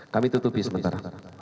kami tutupi sebentar